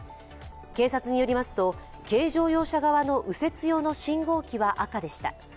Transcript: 警察によりますと、軽乗用車側の右折用の信号機は赤でした。